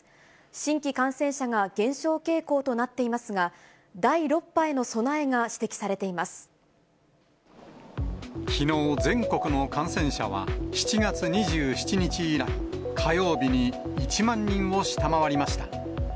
新規感染者が減少傾向となっていますが、第６波への備えが指摘さきのう、全国の感染者は７月２７日以来、火曜日に１万人を下回りました。